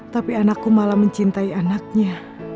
tapi anakku malah mencintai anaknya